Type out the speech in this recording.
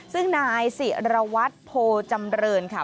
ซึ่งนายศิระวัตโภจำเดิร์นค่ะ